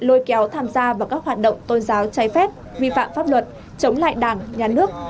lôi kéo tham gia vào các hoạt động tôn giáo trái phép vi phạm pháp luật chống lại đảng nhà nước